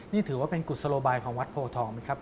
นี่ถือว่าเป็นกุศโลบายของวัดโพทองไหมครับ